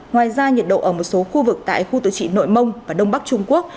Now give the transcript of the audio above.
ngoài ra nhiệt độ ở một số khu vực tại khu tự trị nội mông và đông bắc trung quốc